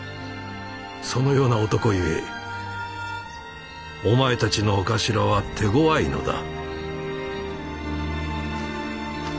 そのような男ゆえお前たちのお頭は手ごわいのだ。